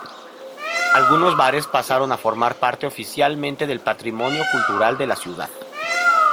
Algunos bares pasaron a formar parte —oficialmente— del patrimonio cultural de la ciudad.